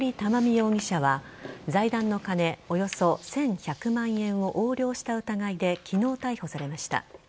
容疑者は財団の金およそ１１００万円を横領した疑いで昨日逮捕されました。